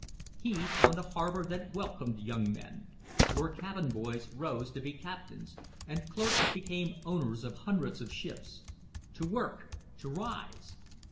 He found a harbor that welcomed young men, where cabin boys rose to be captains, and clerks became owners of hundreds of ships. To work! To rise!